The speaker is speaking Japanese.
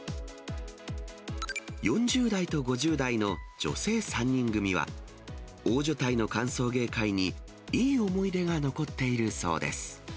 ４０代と５０代の女性３人組は、大所帯の歓送迎会に、いい思い出が残っているそうです。